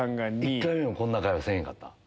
１回目もこんな会話せんかった？